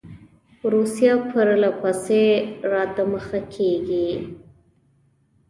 روسیه پر له پسې را دمخه کیږي.